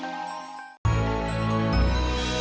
dan saksenus kemakan itu